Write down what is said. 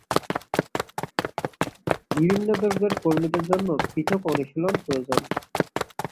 বিভিন্ন দৈর্ঘ্যের কর্মীদের জন্য পৃথক অনুশীলন প্রয়োজন।